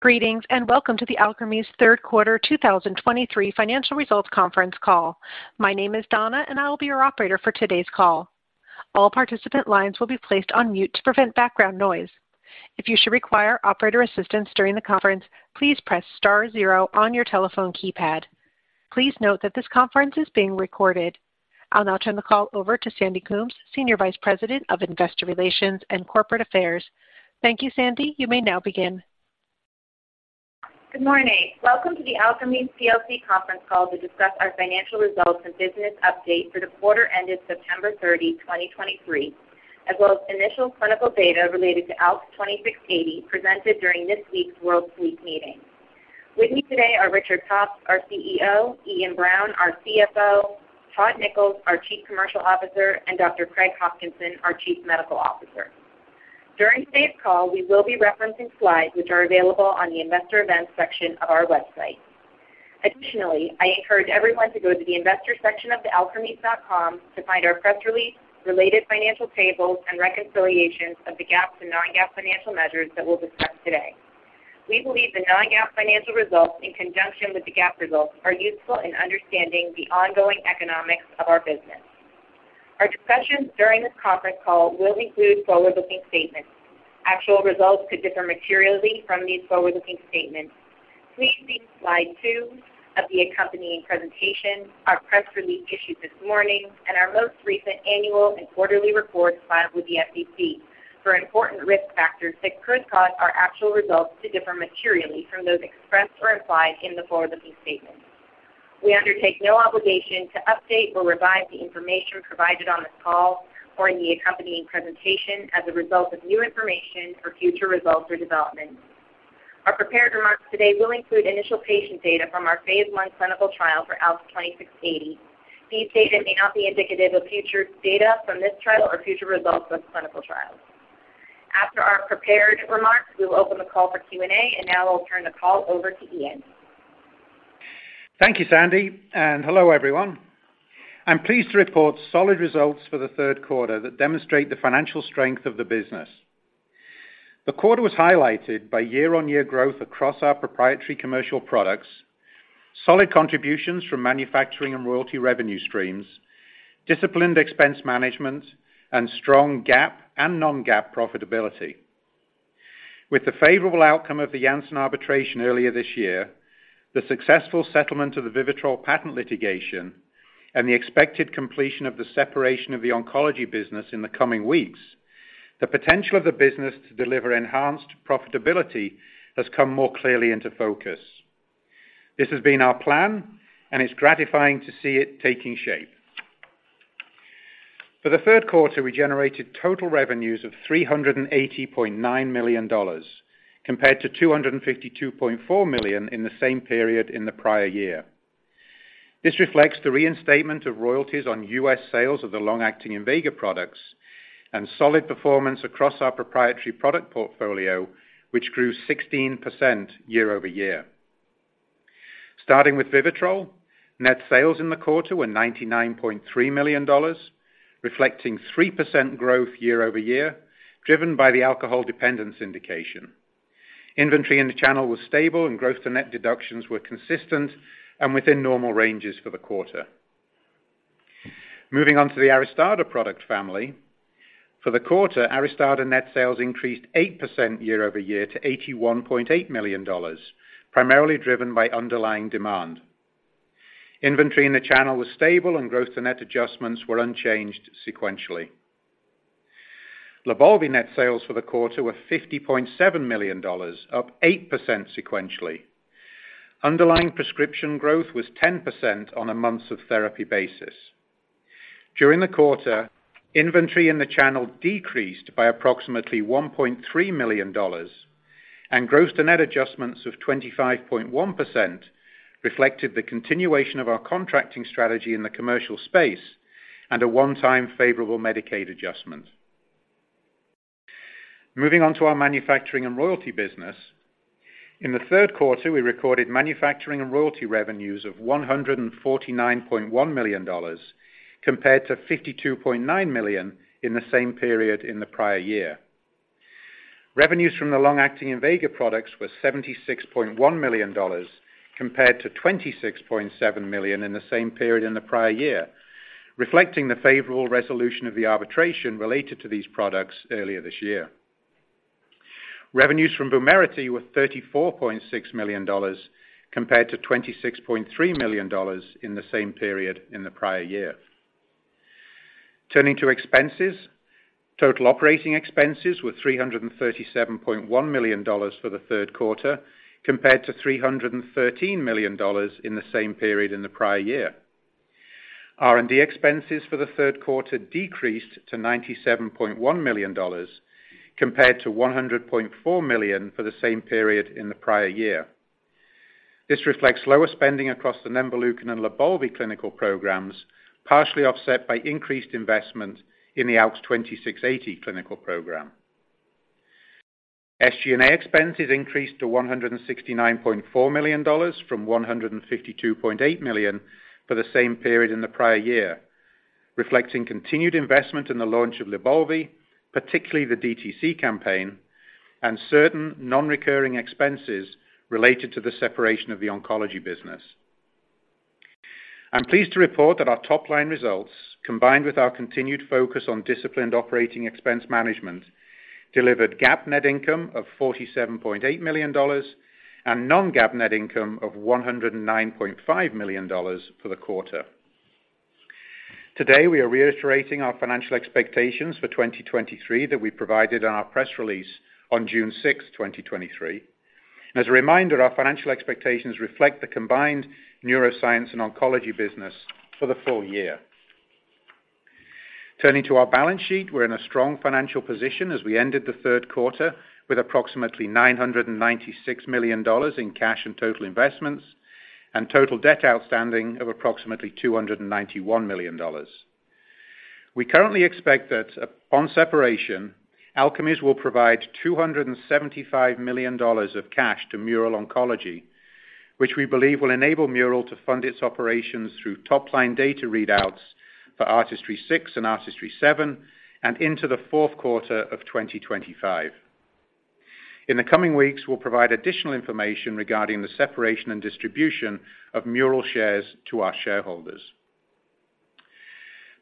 Greetings, and welcome to the Alkermes Q3 2023 financial results conference call. My name is Donna, and I will be your operator for today's call. All participant lines will be placed on mute to prevent background noise. If you should require operator assistance during the conference, please press star zero on your telephone keypad. Please note that this conference is being recorded. I'll now turn the call over to Sandy Coombs, Senior Vice President of Investor Relations and Corporate Affairs. Thank you, Sandy. You may now begin. Good morning. Welcome to the Alkermes plc conference call to discuss our financial results and business update for the quarter ended September 30, 2023, as well as initial clinical data related to ALKS 2680, presented during this week's World Sleep meeting. With me today are Richard Pops, our CEO; Iain Brown, our CFO; Todd Nichols, our Chief Commercial Officer; and Dr. Craig Hopkinson, our Chief Medical Officer. During today's call, we will be referencing slides, which are available on the Investor Events section of our website. Additionally, I encourage everyone to go to the investor section of the Alkermes.com to find our press release, related financial tables, and reconciliations of the GAAP and non-GAAP financial measures that we'll discuss today. We believe the non-GAAP financial results, in conjunction with the GAAP results, are useful in understanding the ongoing economics of our business. Our discussions during this conference call will include forward-looking statements. Actual results could differ materially from these forward-looking statements. Please see slide 2 of the accompanying presentation, our press release issued this morning, and our most recent annual and quarterly reports filed with the SEC for important risk factors that could cause our actual results to differ materially from those expressed or implied in the forward-looking statements. We undertake no obligation to update or revise the information provided on this call or in the accompanying presentation as a result of new information for future results or developments. Our prepared remarks today will include initial patient data from our Phase I clinical trial for ALKS 2680. These data may not be indicative of future data from this trial or future results of clinical trials. After our prepared remarks, we will open the call for Q&A, and now I'll turn the call over to Iain. Thank you, Sandy, and hello, everyone. I'm pleased to report solid results for the Q3 that demonstrate the financial strength of the business. The quarter was highlighted by year-on-year growth across our proprietary commercial products, solid contributions from manufacturing and royalty revenue streams, disciplined expense management, and strong GAAP and non-GAAP profitability. With the favorable outcome of the Janssen arbitration earlier this year, the successful settlement of the VIVITROL patent litigation, and the expected completion of the separation of the oncology business in the coming weeks, the potential of the business to deliver enhanced profitability has come more clearly into focus. This has been our plan, and it's gratifying to see it taking shape. For the Q3, we generated total revenues of $380.9 million, compared to $252.4 million in the same period in the prior year. This reflects the reinstatement of royalties on U.S. sales of the long-acting INVEGA products and solid performance across our proprietary product portfolio, which grew 16% year-over-year. Starting with VIVITROL, net sales in the quarter were $99.3 million, reflecting 3% growth year-over-year, driven by the alcohol dependence indication. Inventory in the channel was stable, and gross-to-net deductions were consistent and within normal ranges for the quarter. Moving on to the ARISTADA product family. For the quarter, ARISTADA net sales increased 8% year-over-year to $81.8 million, primarily driven by underlying demand. Inventory in the channel was stable, and gross-to-net adjustments were unchanged sequentially. LYBALVI net sales for the quarter were $50.7 million, up 8% sequentially. Underlying prescription growth was 10% on a months of therapy basis. During the quarter, inventory in the channel decreased by approximately $1.3 million, and gross-to-net adjustments of 25.1% reflected the continuation of our contracting strategy in the commercial space and a one-time favorable Medicaid adjustment. Moving on to our manufacturing and royalty business. In the Q3, we recorded manufacturing and royalty revenues of $149.1 million, compared to $52.9 million in the same period in the prior year. Revenues from the long-acting INVEGA products were $76.1 million, compared to $26.7 million in the same period in the prior year, reflecting the favorable resolution of the arbitration related to these products earlier this year. Revenues from VUMERITY were $34.6 million, compared to $26.3 million in the same period in the prior year. Turning to expenses, total operating expenses were $337.1 million for the Q3, compared to $313 million in the same period in the prior year. R&D expenses for the Q3 decreased to $97.1 million, compared to $100.4 million for the same period in the prior year. This reflects lower spending across the nemvaleukin and LYBALVI clinical programs, partially offset by increased investment in the ALKS 2680 clinical program. SG&A expenses increased to $169.4 million from $152.8 million for the same period in the prior year.... reflecting continued investment in the launch of LYBALVI, particularly the DTC campaign, and certain non-recurring expenses related to the separation of the oncology business. I'm pleased to report that our top-line results, combined with our continued focus on disciplined operating expense management, delivered GAAP net income of $47.8 million and non-GAAP net income of $109.5 million for the quarter. Today, we are reiterating our financial expectations for 2023 that we provided in our press release on June 6, 2023. As a reminder, our financial expectations reflect the combined neuroscience and oncology business for the full year. Turning to our balance sheet, we're in a strong financial position as we ended the Q3 with approximately $996 million in cash and total investments, and total debt outstanding of approximately $291 million. We currently expect that, upon separation, Alkermes will provide $275 million of cash to Mural Oncology, which we believe will enable Mural to fund its operations through top-line data readouts for ARTISTRY-6 and ARTISTRY-7, and into the Q4 of 2025. In the coming weeks, we'll provide additional information regarding the separation and distribution of Mural shares to our shareholders.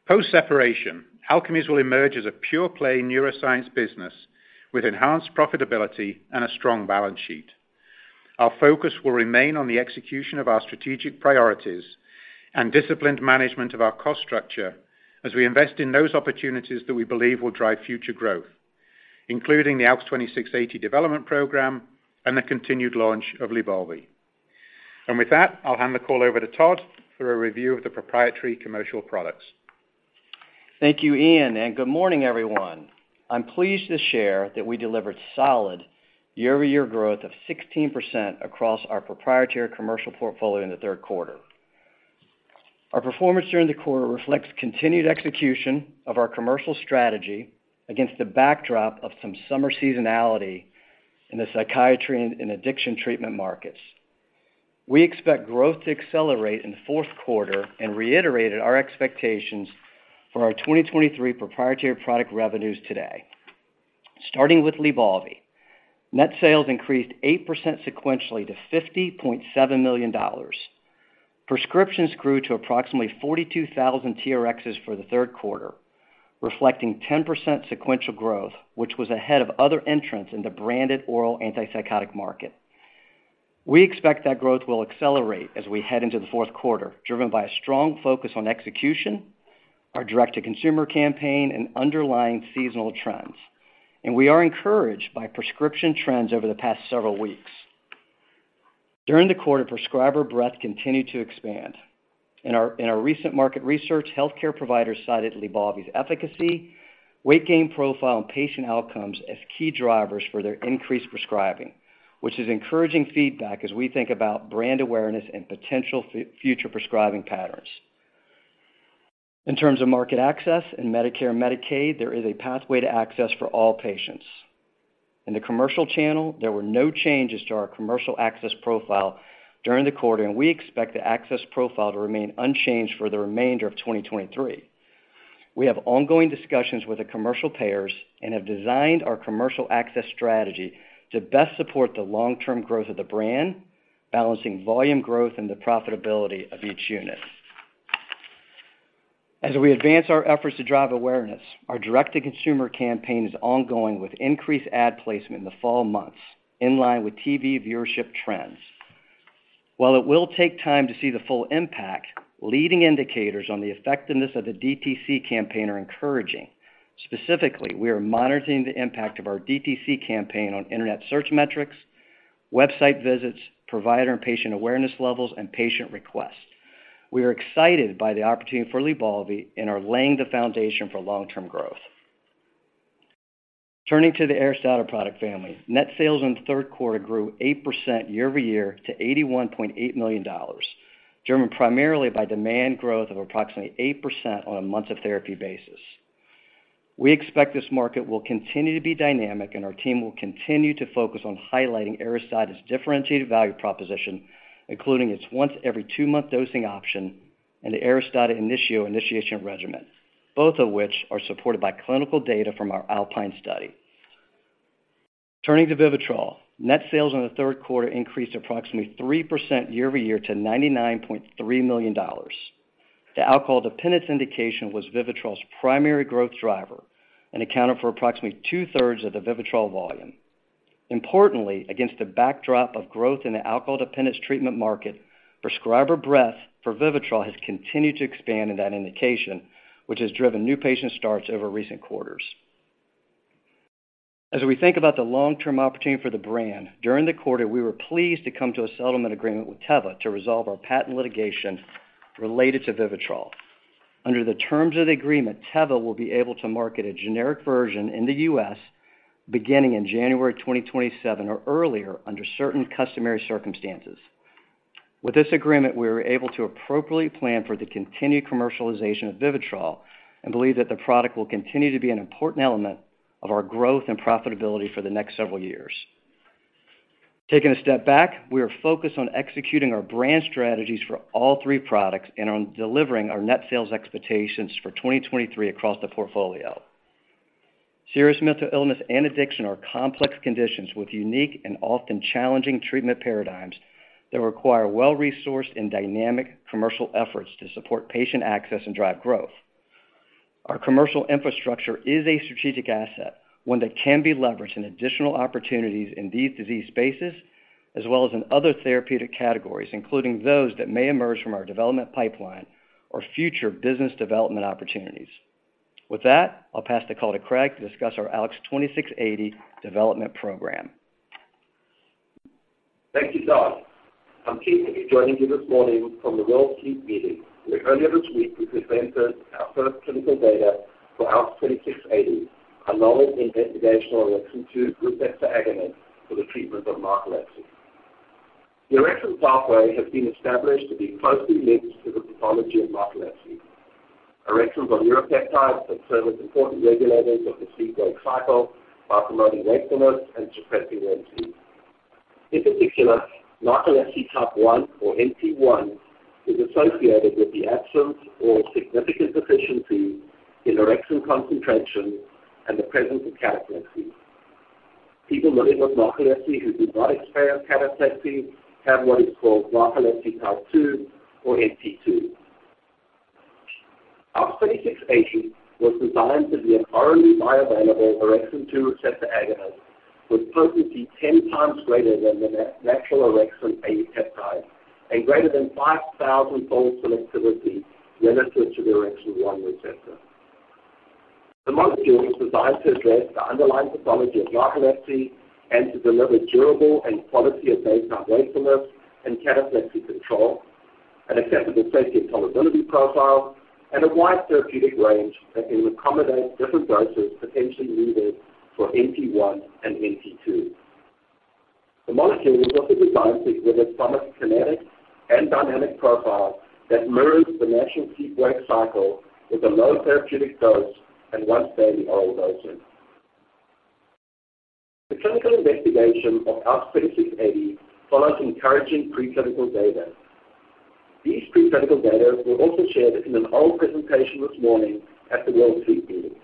Post-separation, Alkermes will emerge as a pure-play neuroscience business with enhanced profitability and a strong balance sheet. Our focus will remain on the execution of our strategic priorities and disciplined management of our cost structure as we invest in those opportunities that we believe will drive future growth, including the ALKS 2680 development program and the continued launch of LYBALVI. And with that, I'll hand the call over to Todd for a review of the proprietary commercial products. Thank you, Iain, and good morning, everyone. I'm pleased to share that we delivered solid year-over-year growth of 16% across our proprietary commercial portfolio in the Q3. Our performance during the quarter reflects continued execution of our commercial strategy against the backdrop of some summer seasonality in the psychiatry and addiction treatment markets. We expect growth to accelerate in the Q4 and reiterated our expectations for our 2023 proprietary product revenues today. Starting with LYBALVI, net sales increased 8% sequentially to $50.7 million. Prescriptions grew to approximately 42,000 TRx for the Q3, reflecting 10% sequential growth, which was ahead of other entrants in the branded oral antipsychotic market. We expect that growth will accelerate as we head into the Q4, driven by a strong focus on execution, our direct-to-consumer campaign, and underlying seasonal trends. We are encouraged by prescription trends over the past several weeks. During the quarter, prescriber breadth continued to expand. In our recent market research, healthcare providers cited LYBALVI's efficacy, weight gain profile, and patient outcomes as key drivers for their increased prescribing, which is encouraging feedback as we think about brand awareness and potential future prescribing patterns. In terms of market access in Medicare and Medicaid, there is a pathway to access for all patients. In the commercial channel, there were no changes to our commercial access profile during the quarter, and we expect the access profile to remain unchanged for the remainder of 2023. We have ongoing discussions with the commercial payers and have designed our commercial access strategy to best support the long-term growth of the brand, balancing volume growth and the profitability of each unit. As we advance our efforts to drive awareness, our direct-to-consumer campaign is ongoing, with increased ad placement in the fall months, in line with TV viewership trends. While it will take time to see the full impact, leading indicators on the effectiveness of the DTC campaign are encouraging. Specifically, we are monitoring the impact of our DTC campaign on internet search metrics, website visits, provider and patient awareness levels, and patient requests. We are excited by the opportunity for LYBALVI and are laying the foundation for long-term growth. Turning to the ARISTADA product family, net sales in the Q3 grew 8% year-over-year to $81.8 million, driven primarily by demand growth of approximately 8% on a months of therapy basis. We expect this market will continue to be dynamic, and our team will continue to focus on highlighting ARISTADA's differentiated value proposition, including its once every two-month dosing option and the ARISTADA INITIO initiation regimen, both of which are supported by clinical data from our ALPINE study. Turning to VIVITROL, net sales in the Q3 increased approximately 3% year-over-year to $99.3 million. The alcohol dependence indication was VIVITROL's primary growth driver and accounted for approximately two-thirds of the VIVITROL volume. Importantly, against the backdrop of growth in the alcohol dependence treatment market, prescriber breadth for VIVITROL has continued to expand in that indication, which has driven new patient starts over recent quarters. As we think about the long-term opportunity for the brand, during the quarter, we were pleased to come to a settlement agreement with Teva to resolve our patent litigation related to VIVITROL. Under the terms of the agreement, Teva will be able to market a generic version in the U.S. beginning in January 2027 or earlier, under certain customary circumstances. With this agreement, we are able to appropriately plan for the continued commercialization of VIVITROL and believe that the product will continue to be an important element of our growth and profitability for the next several years. Taking a step back, we are focused on executing our brand strategies for all three products and on delivering our net sales expectations for 2023 across the portfolio. Serious mental illness and addiction are complex conditions with unique and often challenging treatment paradigms that require well-resourced and dynamic commercial efforts to support patient access and drive growth. Our commercial infrastructure is a strategic asset, one that can be leveraged in additional opportunities in these disease spaces, as well as in other therapeutic categories, including those that may emerge from our development pipeline or future business development opportunities. With that, I'll pass the call to Craig to discuss our ALKS 2680 development program. Thank you, Todd. I'm pleased to be joining you this morning from the World Sleep meeting, where earlier this week, we presented our first clinical data for ALKS 2680, a novel investigational orexin 2 receptor agonist for the treatment of narcolepsy. The orexin pathway has been established to be closely linked to the pathology of narcolepsy. orexins are neuropeptides that serve as important regulators of the sleep-wake cycle by promoting wakefulness and suppressing REM sleep. In particular, Narcolepsy Type 1, or NT1, is associated with the absence or significant deficiency in orexin concentration and the presence of cataplexy. People living with narcolepsy who do not experience cataplexy have what is called Narcolepsy Type 2, or NT2. ALKS 2680 was designed to be an orally bioavailable orexin 2 receptor agonist, with potency 10 times greater than the natural orexin A peptide, and greater than 5,000-fold selectivity relative to the orexin 1 receptor. The molecule is designed to address the underlying pathology of narcolepsy and to deliver durable and quality-of-life night wakefulness and cataplexy control, an acceptable safety and tolerability profile, and a wide therapeutic range that can accommodate different doses potentially needed for NT1 and NT2. The molecule is also designed to deliver pharmacokinetic and dynamic profile that mirrors the natural sleep-wake cycle with a low therapeutic dose and once-daily oral dosing. The clinical investigation of ALKS 2680 follows encouraging preclinical data. These preclinical data were also shared in an oral presentation this morning at the World Sleep meeting.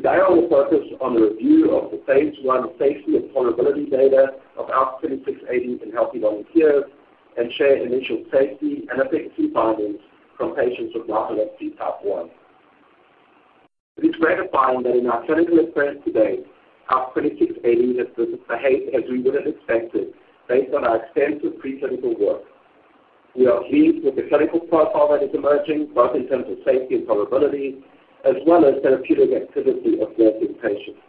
Today, I will focus on the review of the Phase I safety and tolerability data of ALKS 2680 in healthy volunteers, and share initial safety and efficacy findings from patients with Narcolepsy Type 1. It is gratifying that in our clinical experience today, ALKS 2680 has behaved as we would have expected, based on our extensive preclinical work. We are pleased with the clinical profile that is emerging, both in terms of safety and tolerability, as well as therapeutic activity observed in patients.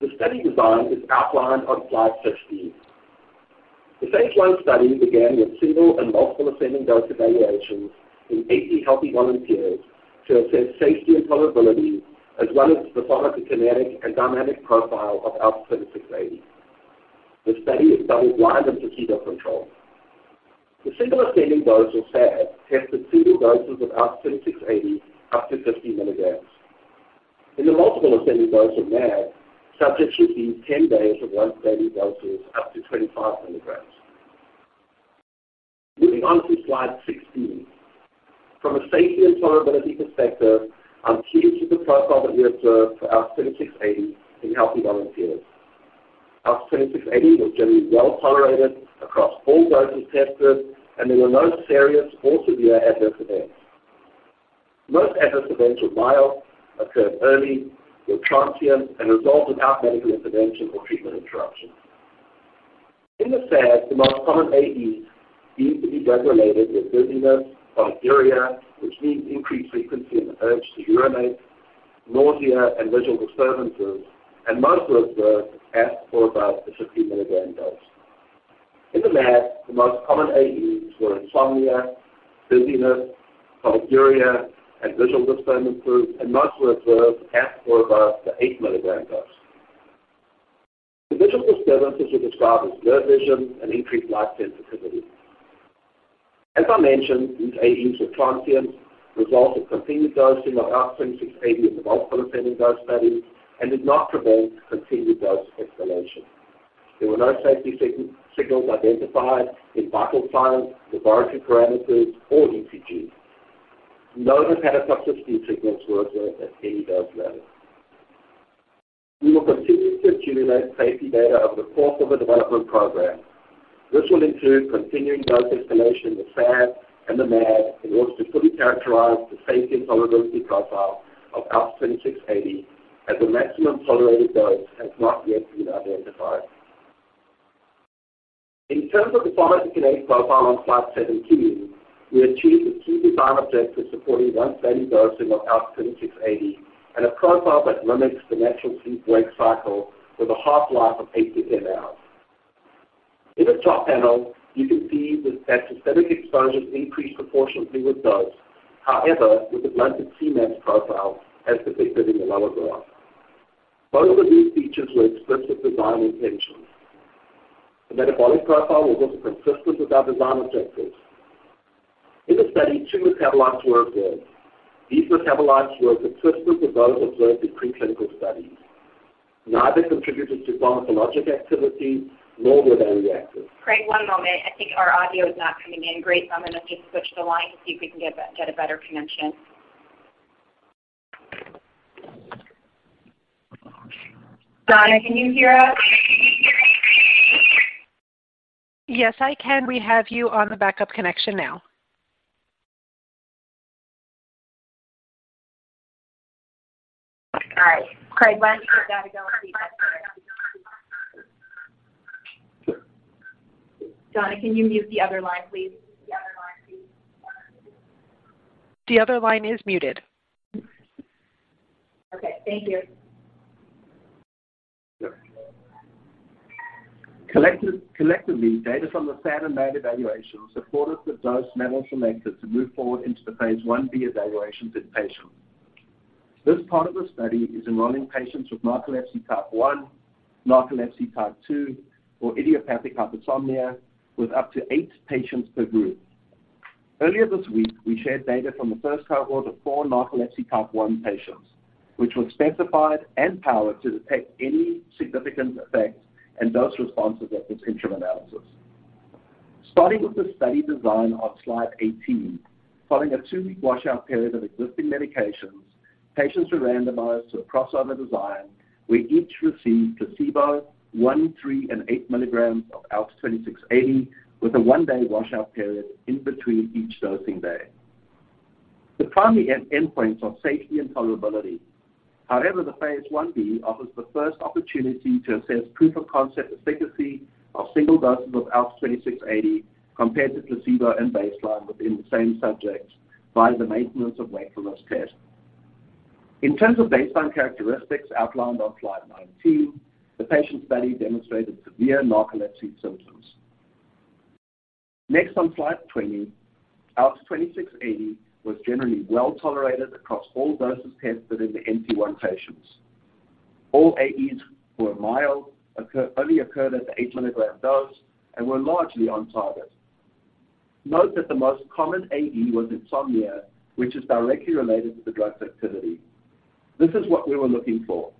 The study design is outlined on slide 16. The Phase I study began with single and multiple ascending dose evaluations in 80 healthy volunteers to assess safety and tolerability, as well as the pharmacokinetic and pharmacodynamic profile of ALKS 2680. The study is double-blind and placebo-controlled. The single ascending dose, or SAD, tested two doses of ALKS 2680, up to 50 milligrams. In the multiple ascending dose, or MAD, subjects received 10 days of once-daily doses, up to 25 milligrams. Moving on to slide 16. From a safety and tolerability perspective, I'm pleased with the profile that we observed for ALKS 2680 in healthy volunteers. ALKS 2680 was generally well-tolerated across all doses tested, and there were no serious or severe adverse events. Most adverse events were mild, occurred early, were transient, and resolved without medical intervention or treatment interruption. In the SAD, the most common AEs deemed to be drug-related were dizziness, polyuria, which means increased frequency and urge to urinate, nausea, and visual disturbances, and most were observed at or above the 50 milligram dose. In the MAD, the most common AEs were insomnia, dizziness, polyuria, and visual disturbances, and most were observed at or above the 80 milligram dose. The visual disturbances were described as blurred vision and increased light sensitivity. As I mentioned, these AEs were transient, resulted in continued dosing of ALKS 2680 in the multiple ascending dose study, and did not prevent continued dose escalation. There were no safety signals identified in vital signs, laboratory parameters, or ECGs. No cataplexy signals were observed at any dose level. We will continue to accumulate safety data over the course of the development program. This will include continuing dose escalation in the SAD and the MAD, in order to fully characterize the safety and tolerability profile of ALKS 2680, as the maximum tolerated dose has not yet been identified. In terms of the pharmacokinetic profile on slide 17, we achieved the key design objective supporting once-daily dosing of ALKS 2680, and a profile that mimics the natural sleep-wake cycle with a half-life of 8-10 hours. In the top panel, you can see that systemic exposure increased proportionally with dose, however, with a blunted Cmax profile, as depicted in the lower graph. Both of these features were explicit design intentions. ... The metabolic profile was also consistent with our design objectives. In the study, two metabolites were observed. These metabolites were consistent with those observed in preclinical studies. Neither contributed to pharmacologic activity, nor were they reactive. Craig, one moment. I think our audio is not coming in great, so I'm going to just switch the line to see if we can get a, get a better connection. Donna, can you hear us? Yes, I can. We have you on the backup connection now. All right. Craig, why don't you get that going? Donna, can you mute the other line, please? The other line, please. The other line is muted. Okay, thank you. Collectively, data from the lab and made evaluations supported the dose level selected to move forward into the Phase Ib evaluations in patients. This part of the study is enrolling patients with Narcolepsy Type 1, Narcolepsy Type 2, or idiopathic hypersomnia, with up to eight patients per group. Earlier this week, we shared data from the first cohort of four Narcolepsy Type 1 patients, which was specified and powered to detect any significant effect and dose responses at this interim analysis. Starting with the study design on slide 18, following a 2-week washout period of existing medications, patients were randomized to a crossover design, where each received placebo, 1, 3, and 8 milligrams of ALKS 2680, with a 1-day washout period in between each dosing day. The primary endpoints are safety and tolerability. However, the Phase Ib offers the first opportunity to assess proof of concept efficacy of single doses of ALKS 2680, compared to placebo and baseline within the same subject by the Maintenance of Wakefulness Test. In terms of baseline characteristics outlined on slide 19, the patient study demonstrated severe narcolepsy symptoms. Next, on slide 20, ALKS 2680 was generally well tolerated across all doses tested in the NT1 patients. All AEs were mild, only occurred at the 8-milligram dose and were largely on target. Note that the most common AE was insomnia, which is directly related to the drug's activity. This is what we were looking for.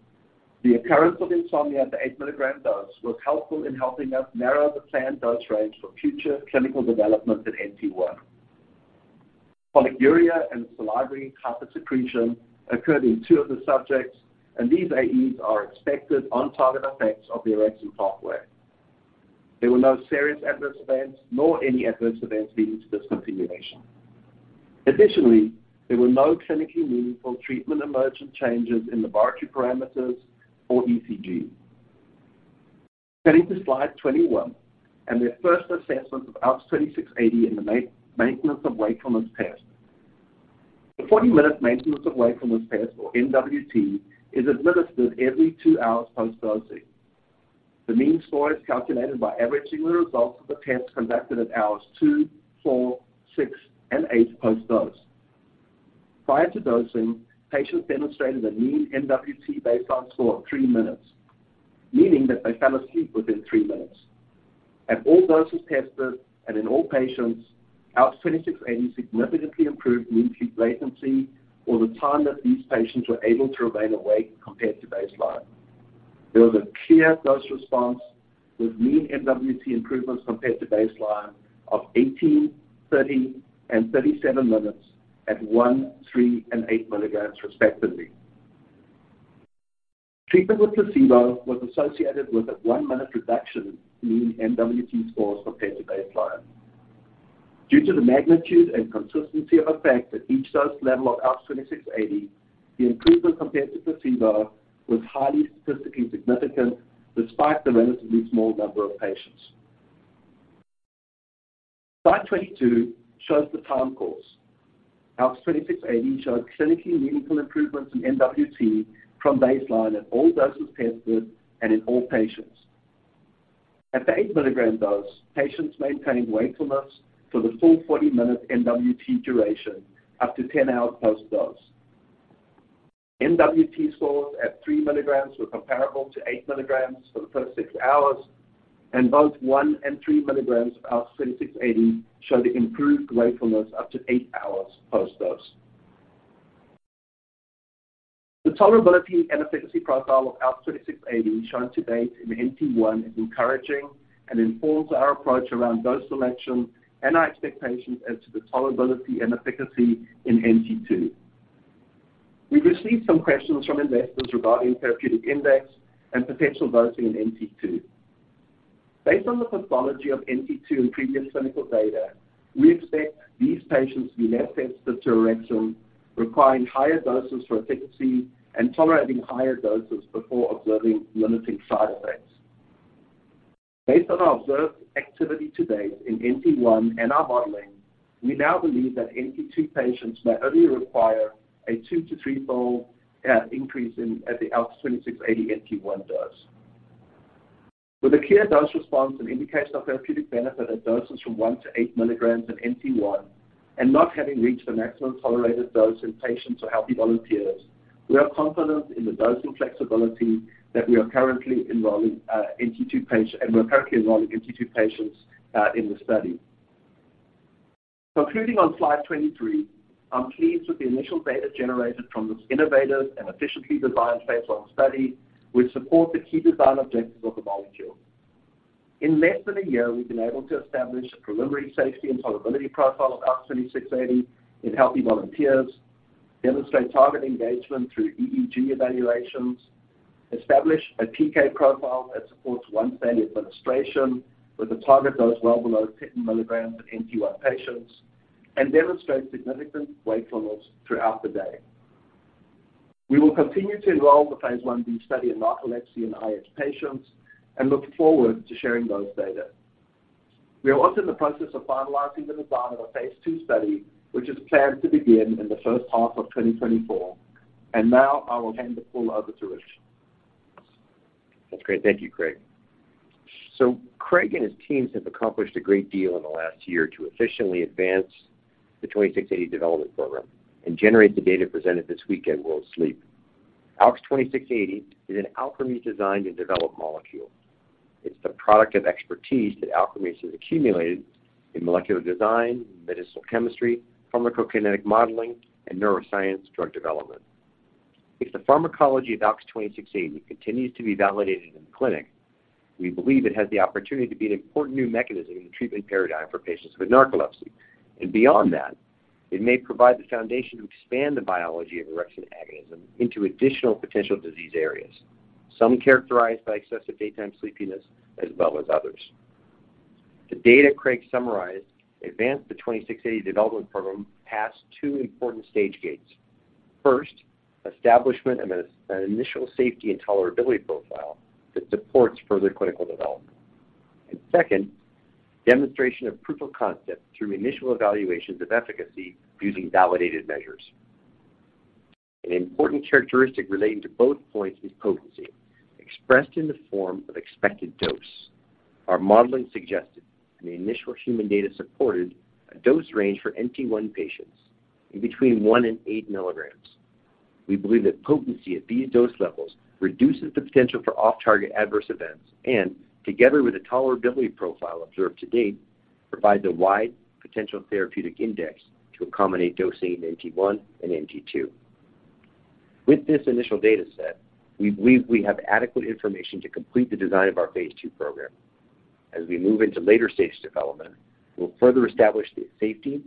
The occurrence of insomnia at the 8-milligram dose was helpful in helping us narrow the planned dose range for future clinical development in NT1. Polyuria and salivary hypersecretion occurred in 2 of the subjects, and these AEs are expected on-target effects of the orexin pathway. There were no serious adverse events nor any adverse events leading to discontinuation. Additionally, there were no clinically meaningful treatment-emergent changes in laboratory parameters or ECG. Heading to slide 21, and their first assessment of ALKS 2680 in the Maintenance of Wakefulness Test. The 40-minute Maintenance of Wakefulness Test, or MWT, is administered every 2 hours post-dosing. The mean score is calculated by averaging the results of the test conducted at hours 2, 4, 6, and 8 post-dose. Prior to dosing, patients demonstrated a mean MWT baseline score of 3 minutes, meaning that they fell asleep within 3 minutes. At all doses tested and in all patients, ALKS 2680 significantly improved mean latency, or the time that these patients were able to remain awake compared to baseline. There was a clear dose response with mean MWT improvements compared to baseline of 18, 30, and 37 minutes at 1, 3, and 8 milligrams, respectively. Treatment with placebo was associated with a 1-minute reduction in mean MWT scores compared to baseline. Due to the magnitude and consistency of effect at each dose level of ALKS 2680, the improvement compared to placebo was highly statistically significant, despite the relatively small number of patients. Slide 22 shows the time course. ALKS 2680 showed clinically meaningful improvements in MWT from baseline at all doses tested and in all patients. At the 8-milligram dose, patients maintained wakefulness for the full 40-minute MWT duration, up to 10 hours post-dose. MWT scores at 3 milligrams were comparable to 8 milligrams for the first 6 hours, and both 1 and 3 milligrams of ALKS 2680, showed improved wakefulness up to 8 hours post-dose. The tolerability and efficacy profile of ALKS 2680 shown to date in NT1 is encouraging and informs our approach around dose selection and our expectations as to the tolerability and efficacy in NT2. We've received some questions from investors regarding therapeutic index and potential dosing in NT2. Based on the pathology of NT2 in previous clinical data, we expect these patients to be less sensitive to orexin, requiring higher doses for efficacy and tolerating higher doses before observing limiting side effects. Based on our observed activity to date in NT1 and our modeling, we now believe that NT2 patients may only require a 2- to 3-fold increase in at the ALKS 2680 NT1 dose. With a clear dose response and indication of therapeutic benefit at doses from 1 to 8 milligrams in NT1, and not having reached the maximum tolerated dose in patients or healthy volunteers. We are confident in the dosing flexibility that we are currently enrolling NT2 patient and we're currently enrolling NT2 patients in the study. Concluding on slide 23, I'm pleased with the initial data generated from this innovative and efficiently designed Phase I study, which support the key design objectives of the molecule. In less than a year, we've been able to establish a preliminary safety and tolerability profile of ALKS 2680 in healthy volunteers, demonstrate target engagement through EEG evaluations, establish a PK profile that supports once-daily administration with a target dose well below 10 milligrams in NT1 patients, and demonstrate significant wakefulness throughout the day. We will continue to enroll the Phase Ib study in narcolepsy and IH patients and look forward to sharing those data. We are also in the process of finalizing the design of a Phase II study, which is planned to begin in the first half of 2024. Now I will hand the call over to Rich. That's great. Thank you, Craig. So Craig and his teams have accomplished a great deal in the last year to efficiently advance the 2680 development program and generate the data presented this week at World Sleep. ALKS 2680 is an Alkermes designed and developed molecule. It's the product of expertise that Alkermes has accumulated in molecular design, medicinal chemistry, pharmacokinetic modeling, and neuroscience drug development. If the pharmacology of ALKS 2680 continues to be validated in the clinic, we believe it has the opportunity to be an important new mechanism in the treatment paradigm for patients with narcolepsy. And beyond that, it may provide the foundation to expand the biology of orexin agonism into additional potential disease areas, some characterized by excessive daytime sleepiness as well as others. The data Craig summarized advanced the 2680 development program past two important stage gates. First, establishment of an initial safety and tolerability profile that supports further clinical development. And second, demonstration of proof of concept through initial evaluations of efficacy using validated measures. An important characteristic relating to both points is potency, expressed in the form of expected dose. Our modeling suggested, and the initial human data supported, a dose range for NT1 patients in between 1 and 8 milligrams. We believe that potency at these dose levels reduces the potential for off-target adverse events and, together with the tolerability profile observed to date, provides a wide potential therapeutic index to accommodate dosing in NT1 and NT2. With this initial data set, we believe we have adequate information to complete the design of our Phase II program. As we move into later stage development, we'll further establish the safety,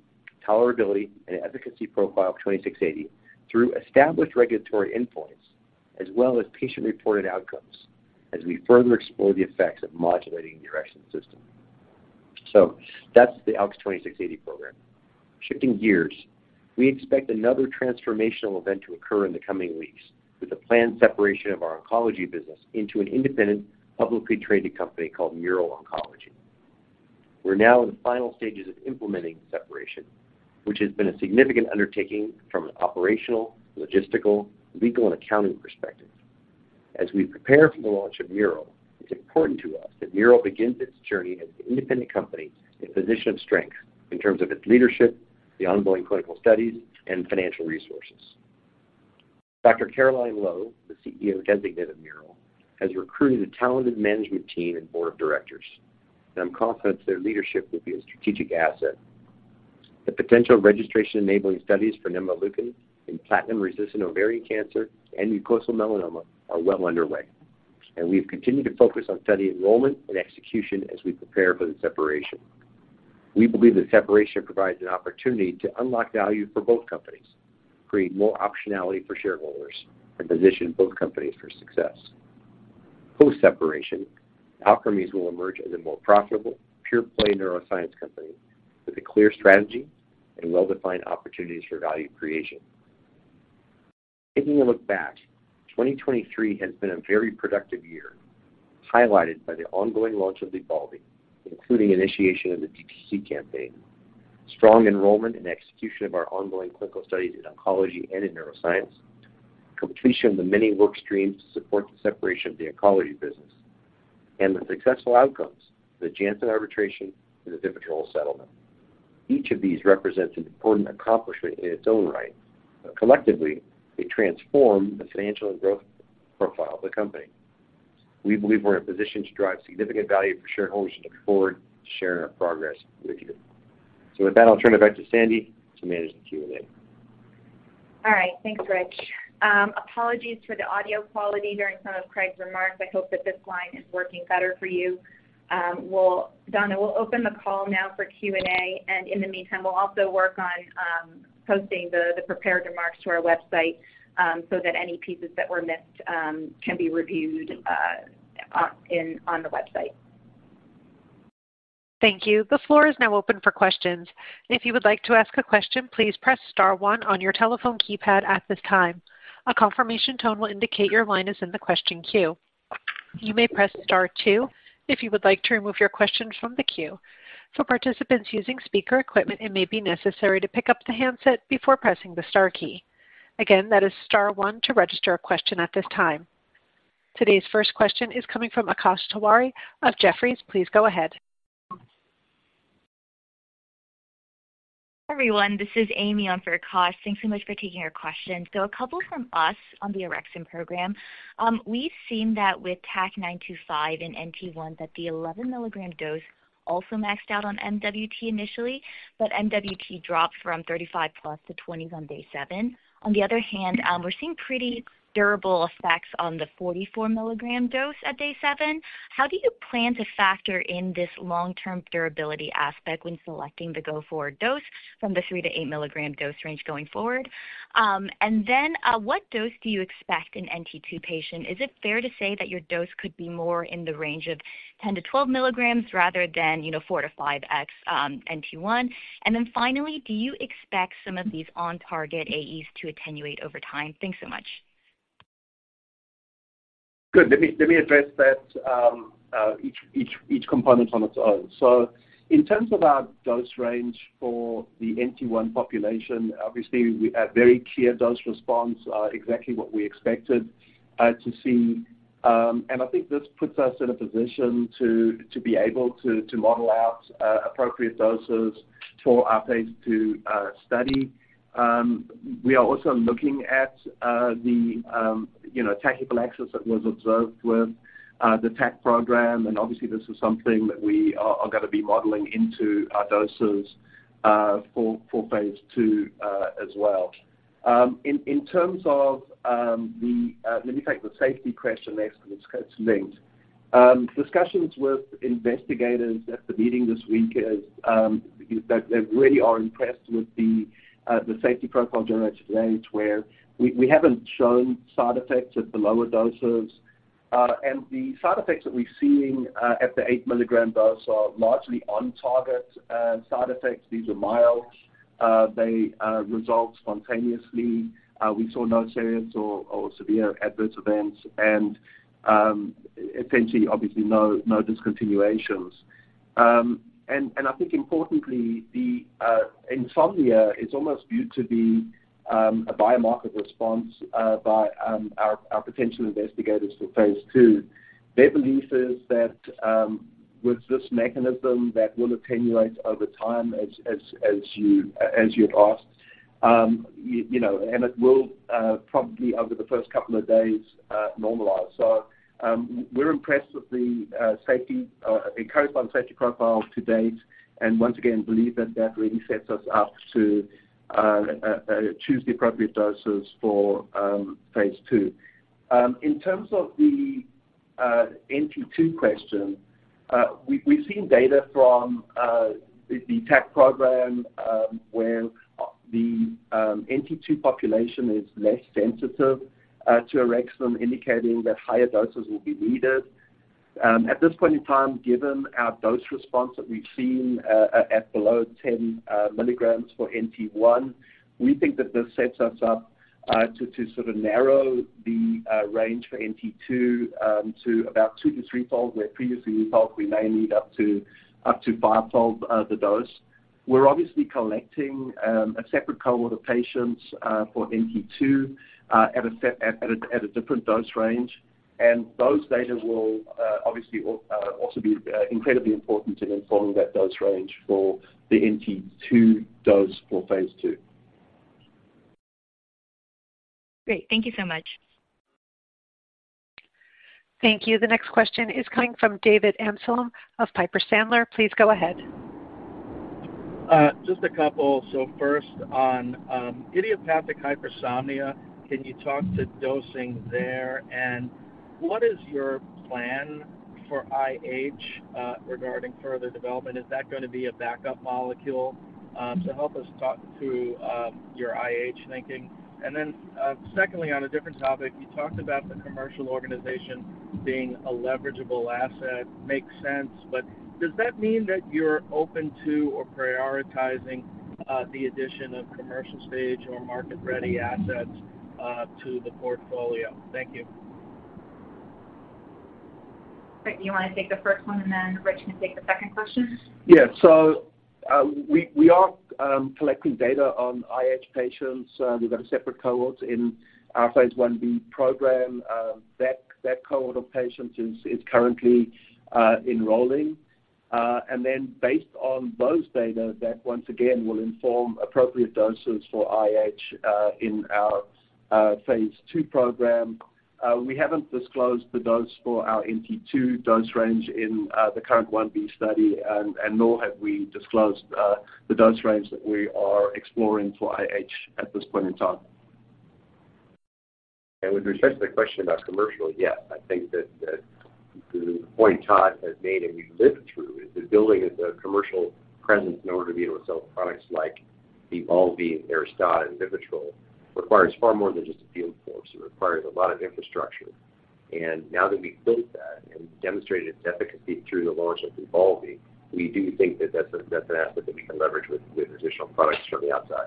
tolerability, and efficacy profile of 2680 through established regulatory endpoints as well as patient-reported outcomes as we further explore the effects of modulating the orexin system. So that's the ALKS 2680 program. Shifting gears, we expect another transformational event to occur in the coming weeks with a planned separation of our oncology business into an independent, publicly traded company called Mural Oncology. We're now in the final stages of implementing the separation, which has been a significant undertaking from an operational, logistical, legal, and accounting perspective. As we prepare for the launch of Mural, it's important to us that Mural begins its journey as an independent company in a position of strength in terms of its leadership, the ongoing clinical studies, and financial resources. Dr. Caroline Loewy, the CEO designate of Mural, has recruited a talented management team and board of directors, and I'm confident their leadership will be a strategic asset. The potential registration-enabling studies for nemvaleukin in platinum-resistant ovarian cancer and mucosal melanoma are well underway, and we've continued to focus on study enrollment and execution as we prepare for the separation. We believe the separation provides an opportunity to unlock value for both companies, create more optionality for shareholders, and position both companies for success. Post-separation, Alkermes will emerge as a more profitable, pure-play neuroscience company with a clear strategy and well-defined opportunities for value creation. Taking a look back, 2023 has been a very productive year, highlighted by the ongoing launch of LYBALVI, including initiation of the DTC campaign, strong enrollment and execution of our ongoing clinical studies in oncology and in neuroscience, completion of the many work streams to support the separation of the oncology business, and the successful outcomes, the Janssen arbitration and the VIVITROL settlement. Each of these represents an important accomplishment in its own right, but collectively, they transform the financial and growth profile of the company. We believe we're in a position to drive significant value for shareholders and look forward to sharing our progress with you. So with that, I'll turn it back to Sandy to manage the Q&A. All right. Thanks, Rich. Apologies for the audio quality during some of Craig's remarks. I hope that this line is working better for you. Donna, we'll open the call now for Q&A, and in the meantime, we'll also work on posting the prepared remarks to our website so that any pieces that were missed can be reviewed on the website. Thank you. The floor is now open for questions. If you would like to ask a question, please press star one on your telephone keypad at this time. A confirmation tone will indicate your line is in the question queue. You may press Star two if you would like to remove your question from the queue. For participants using speaker equipment, it may be necessary to pick up the handset before pressing the star key. Again, that is star one to register a question at this time. Today's first question is coming from Akash Tewari of Jefferies. Please go ahead. ... Everyone, this is Amy on for Akash. Thanks so much for taking our question. So a couple from us on the orexin program. We've seen that with TAK-925 in NT1, that the 11 milligram dose also maxed out on MWT initially, but MWT dropped from 35+ to 20s on day 7. On the other hand, we're seeing pretty durable effects on the 44 milligram dose at day 7. How do you plan to factor in this long-term durability aspect when selecting the go forward dose from the 3-8 milligram dose range going forward? And then, what dose do you expect in NT2 patient? Is it fair to say that your dose could be more in the range of 10-12 milligrams rather than, you know, 4-5x, NT1? And then finally, do you expect some of these on target AEs to attenuate over time? Thanks so much. Good. Let me address that, each component on its own. So in terms of our dose range for the NT1 population, obviously we have very clear dose response, exactly what we expected to see. And I think this puts us in a position to be able to model out appropriate doses for our phase two study. We are also looking at the, you know, tachyphylaxis that was observed with the TAK program, and obviously this is something that we are gonna be modeling into our doses for phase two as well. In terms of the, let me take the safety question next, and it's linked. Discussions with investigators at the meeting this week is that they really are impressed with the safety profile generated to date, where we haven't shown side effects at the lower doses. And the side effects that we're seeing at the 8-milligram dose are largely on target side effects. These are mild. They resolve spontaneously. We saw no serious or severe adverse events and, essentially, obviously no discontinuations. And I think importantly, the insomnia is almost viewed to be a biomarker response by our potential investigators for phase 2. Their belief is that with this mechanism that will attenuate over time, as you had asked, you know, and it will probably over the first couple of days normalize. So, we're impressed with the safety, encouraged by the safety profile to date, and once again, believe that that really sets us up to choose the appropriate doses for phase 2. In terms of the NT2 question, we've seen data from the TAK program, where the NT2 population is less sensitive to orexin, indicating that higher doses will be needed. At this point in time, given our dose response that we've seen at below 10 milligrams for NT1, we think that this sets us up to sort of narrow the range for NT2 to about 2- to 3-fold, where previously we thought we may need up to 5-fold the dose. We're obviously collecting a separate cohort of patients for NT2 at a different dose range, and those data will obviously also be incredibly important in informing that dose range for the NT2 dose for phase 2. Great, thank you so much. Thank you. The next question is coming from David Amsellem of Piper Sandler. Please go ahead. Just a couple. So first, on idiopathic hypersomnia, can you talk to dosing there? And what is your plan for IH regarding further development? Is that gonna be a backup molecule? So help us talk through your IH thinking. And then, secondly, on a different topic, you talked about the commercial organization being a leverageable asset. Makes sense, but does that mean that you're open to or prioritizing the addition of commercial stage or market-ready assets to the portfolio? Thank you. Do you want to take the first one, and then Rich can take the second question? Yeah. So, we are collecting data on IH patients. We've got a separate cohort in our Phase Ib program. That cohort of patients is currently enrolling. And then based on those data, that once again will inform appropriate doses for IH in our phase 2 program. We haven't disclosed the dose for our NT2 dose range in the current 1b study, and nor have we disclosed the dose range that we are exploring for IH at this point in time. And with respect to the question about commercial, yes, I think that, that the point Todd has made, and we've lived through, is that building a commercial presence in order to be able to sell products like LYBALVI, ARISTADA, and VIVITROL, requires far more than just a field force. It requires a lot of infrastructure. And now that we've built that and demonstrated its efficacy through the launch of LYBALVI, we do think that that's a, that's an asset that we can leverage with, with additional products from the outside.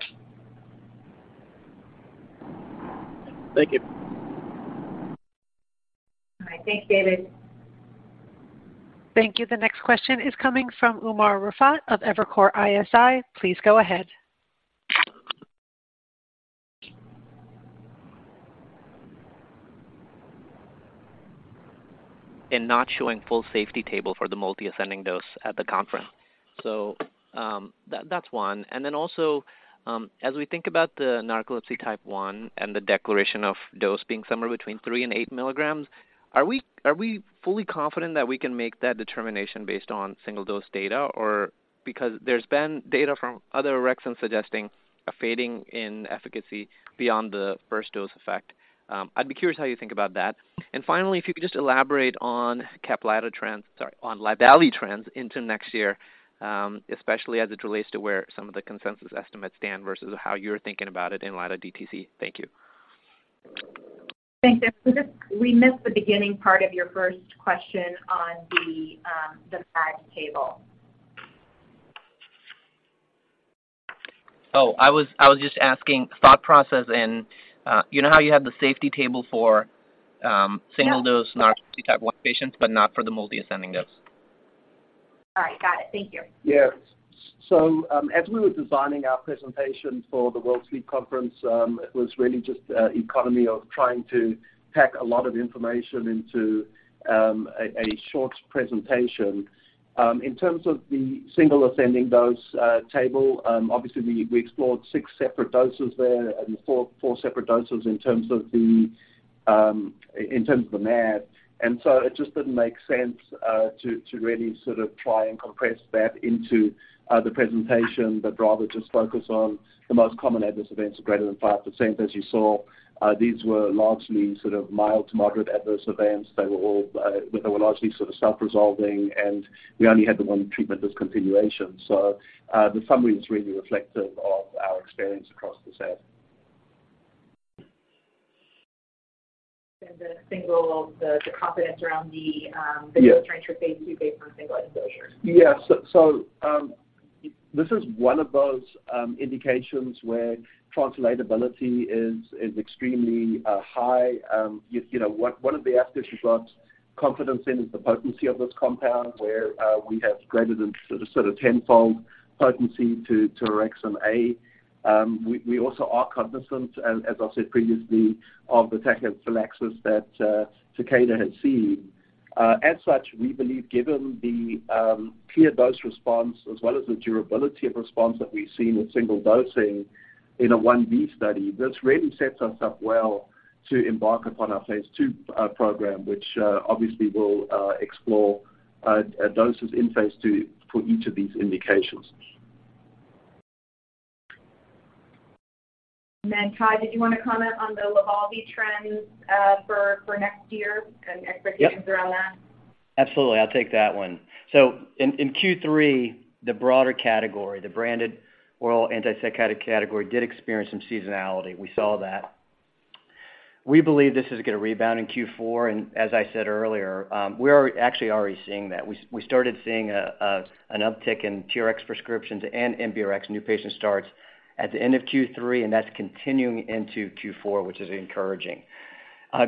Thank you. All right. Thanks, David. Thank you. The next question is coming from Umer Raffat of Evercore ISI. Please go ahead. ... and not showing full safety table for the multiple ascending dose at the conference. So, that, that's one. And then also, as we think about the narcolepsy type one and the declaration of dose being somewhere between 3-8 milligrams, are we, are we fully confident that we can make that determination based on single dose data? Or because there's been data from other orexins suggesting a fading in efficacy beyond the first dose effect. I'd be curious how you think about that. And finally, if you could just elaborate on Caplyta trends, sorry, on LYBALVI trends into next year, especially as it relates to where some of the consensus estimates stand versus how you're thinking about it in light of DTC. Thank you. Thanks, Jeff. We just... We missed the beginning part of your first question on the flag table. Oh, I was just asking thought process and, you know, how you have the safety table for— Yes... single dose Narcolepsy Type 1 patients, but not for the multiple ascending dose. All right, got it. Thank you. Yes. So, as we were designing our presentation for the World Sleep Conference, it was really just economy of trying to pack a lot of information into a short presentation. In terms of the single ascending dose table, obviously, we explored six separate doses there and four separate doses in terms of the MAD. And so it just didn't make sense to really sort of try and compress that into the presentation, but rather just focus on the most common adverse events of greater than 5%. As you saw, these were largely sort of mild to moderate adverse events. They were largely sort of self-resolving, and we only had the one treatment discontinuation. So, the summary is really reflective of our experience across the set. And the confidence around the... Yes strengths phase 2 based on single exposure. Yes. So this is one of those indications where translatability is extremely high. You know, one of the aspects we've got confidence in is the potency of this compound, where we have greater than sort of tenfold potency to orexin A. We also are cognizant, as I said previously, of the tachyphylaxis that Takeda had seen. As such, we believe, given the clear dose response as well as the durability of response that we've seen with single dosing in a 1B study, this really sets us up well to embark upon our phase 2 program, which obviously will explore doses in phase 2 for each of these indications. Then, Todd, did you want to comment on the LYBALVI trends for next year and expectations? Yep -around that? Absolutely. I'll take that one. So in Q3, the broader category, the branded oral antipsychotic category, did experience some seasonality. We saw that. We believe this is gonna rebound in Q4, and as I said earlier, we are actually already seeing that. We started seeing an uptick in TRx prescriptions and NBRx new patient starts at the end of Q3, and that's continuing into Q4, which is encouraging.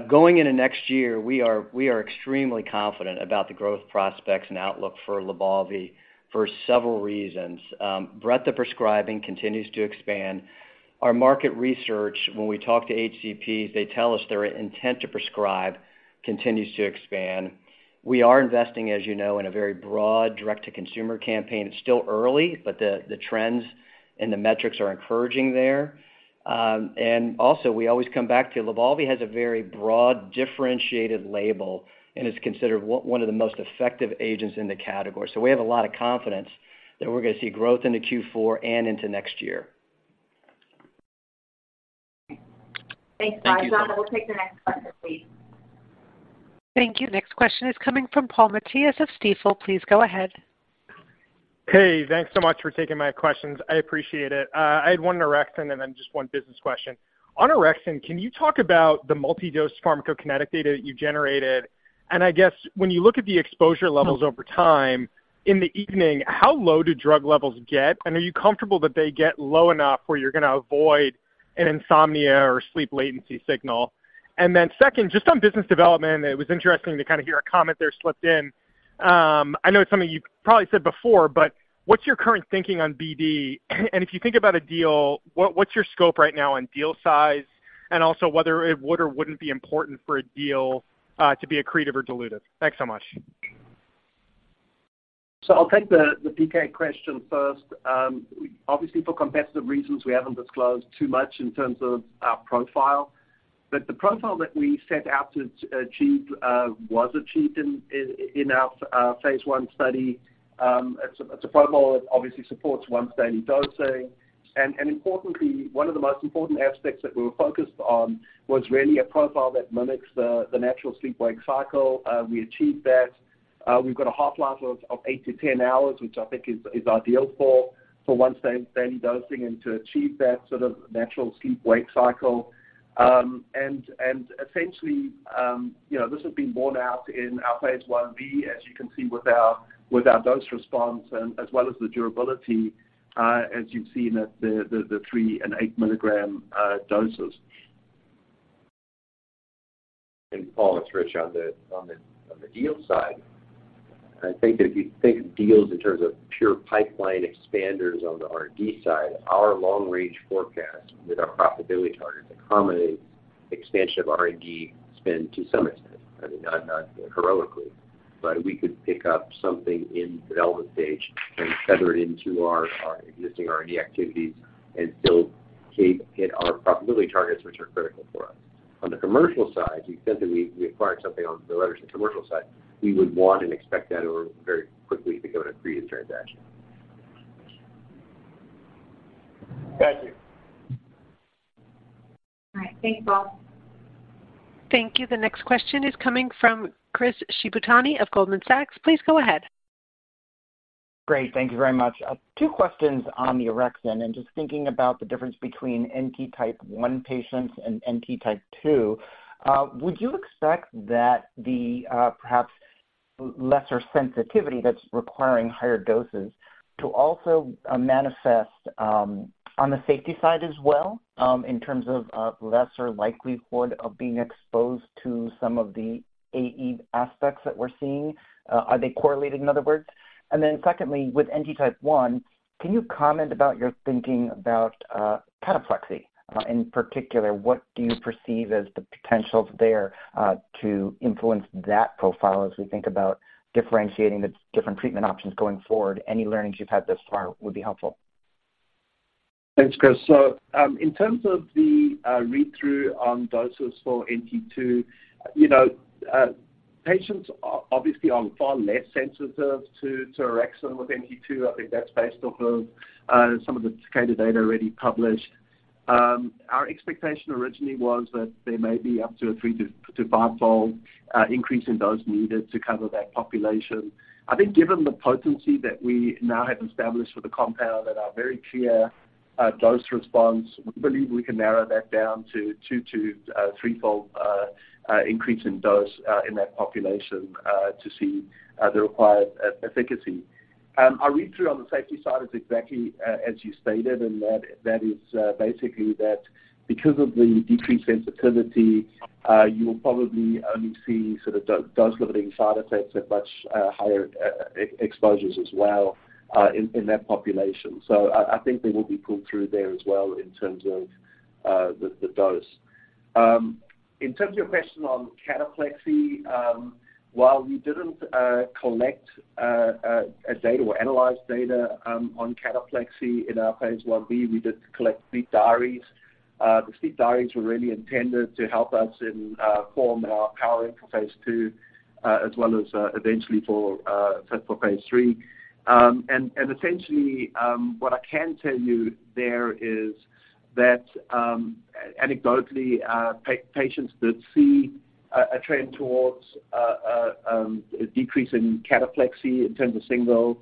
Going into next year, we are extremely confident about the growth prospects and outlook for LYBALVI for several reasons. Breadth of prescribing continues to expand. Our market research, when we talk to HCPs, they tell us their intent to prescribe continues to expand. We are investing, as you know, in a very broad direct-to-consumer campaign. It's still early, but the trends and the metrics are encouraging there. And also, we always come back to LYBALVI has a very broad, differentiated label and is considered one of the most effective agents in the category. So we have a lot of confidence that we're gonna see growth into Q4 and into next year. Thanks, Todd. We'll take the next question, please. Thank you. Next question is coming from Paul Matteis of Stifel. Please go ahead. Hey, thanks so much for taking my questions. I appreciate it. I had one on orexin and then just one business question. On orexin, can you talk about the multi-dose pharmacokinetic data that you generated? And I guess when you look at the exposure levels over time, in the evening, how low do drug levels get? And are you comfortable that they get low enough where you're gonna avoid an insomnia or sleep latency signal? And then second, just on business development, it was interesting to kind of hear a comment there slipped in. I know it's something you've probably said before, but what's your current thinking on BD? And if you think about a deal, what, what's your scope right now on deal size and also whether it would or wouldn't be important for a deal to be accretive or dilutive? Thanks so much. So I'll take the PK question first. Obviously, for competitive reasons, we haven't disclosed too much in terms of our profile. But the profile that we set out to achieve was achieved in our Phase I study. It's a profile that obviously supports once-daily dosing. And importantly, one of the most important aspects that we were focused on was really a profile that mimics the natural sleep-wake cycle. We achieved that. We've got a half-life of 8-10 hours, which I think is ideal for once-daily dosing and to achieve that sort of natural sleep-wake cycle. Essentially, you know, this has been borne out in our Phase Ib, as you can see with our dose response and as well as the durability, as you've seen at the 3- and 8-milligram doses. Paul, it's Rich on the deal side. ... I think that if you think of deals in terms of pure pipeline expanders on the R&D side, our long-range forecast with our profitability target accommodates expansion of R&D spend to some extent, I mean, not, not heroically, but we could pick up something in development stage and feather it into our, our existing R&D activities and still keep hitting our profitability targets, which are critical for us. On the commercial side, you said that we, we acquired something on the latter and commercial side. We would want and expect that very quickly to be accretive. Thank you. All right. Thank you, Paul. Thank you. The next question is coming from Chris Shibutani of Goldman Sachs. Please go ahead. Great. Thank you very much. Two questions on the orexin, and just thinking about the difference between NT1 patients and NT2. Would you expect that the perhaps lesser sensitivity that's requiring higher doses to also manifest on the safety side as well, in terms of lesser likelihood of being exposed to some of the AE aspects that we're seeing? Are they correlated, in other words? And then secondly, with NT1, can you comment about your thinking about cataplexy? In particular, what do you perceive as the potentials there to influence that profile as we think about differentiating the different treatment options going forward? Any learnings you've had thus far would be helpful. Thanks, Chris. So, in terms of the read-through on doses for NT2, you know, patients are obviously far less sensitive to orexin with NT2. I think that's based off of some of the Takeda data already published. Our expectation originally was that there may be up to a 3- to 5-fold increase in dose needed to cover that population. I think given the potency that we now have established for the compound and our very clear dose response, we believe we can narrow that down to 2- to 3-fold increase in dose in that population to see the required efficacy. Our read-through on the safety side is exactly as you stated, and that is basically that because of the decreased sensitivity, you'll probably only see sort of dose limiting side effects at much higher exposures as well in that population. So I think they will be pulled through there as well in terms of the dose. In terms of your question on cataplexy, while we didn't collect data or analyze data on cataplexy in our Phase Ib, we did collect sleep diaries. The sleep diaries were really intended to help us inform our powering for phase 2 as well as eventually for phase 3. And essentially, what I can tell you there is that, anecdotally, patients did see a trend towards a decrease in cataplexy in terms of single